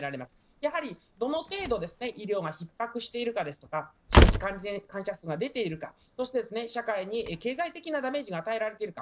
やはり、どの程度医療がひっ迫しているかですとか新規感染者数が出ているかそして、社会に経済的なダメージが与えられているか。